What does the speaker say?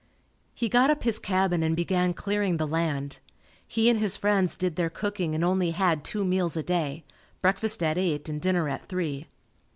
He got up his cabin and began clearing the land. He and his friends did their cooking and only had two meals a day breakfast at eight and dinner at three.